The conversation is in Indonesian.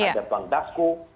ada bang dasko